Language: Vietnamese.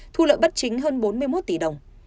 thu lợi bất chính hơn bốn mươi một tỷ đồng